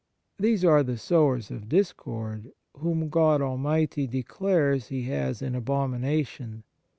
These are the sowers of discord, whom God Almighty declares He has in abomination.